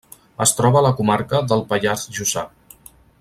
Es troba a la comarca del Pallars Jussà.